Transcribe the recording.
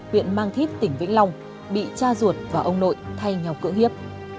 huyện mang thít tỉnh vĩnh long bị cha ruột và ông nội thay nhau cưỡng hiếp